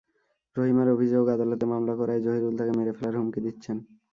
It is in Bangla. রহিমার অভিযোগ, আদালতে মামলা করায় জহিরুল তাঁকে মেরে ফেলার হুমকি দিচ্ছেন।